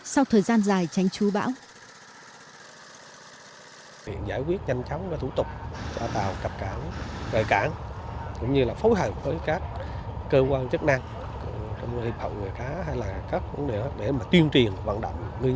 sau thời gian dài tránh chú bão